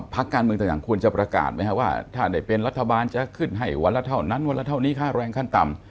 พักการเมืองต่างควรจะประกาศไหมครับว่าถ้าได้เป็นรัฐบาลจะขึ้นให้วันละเท่านั้นวันละเท่านี้ค่าแรงขั้นต่ำ